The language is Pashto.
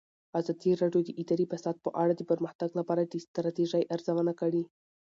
ازادي راډیو د اداري فساد په اړه د پرمختګ لپاره د ستراتیژۍ ارزونه کړې.